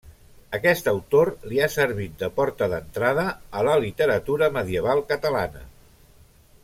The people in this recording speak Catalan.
Aquest autor li ha servit de porta d’entrada a la literatura medieval catalana.